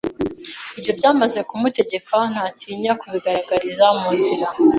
Iyo byamaze kumutegeka, ntatinya kubigaragariza mu nzira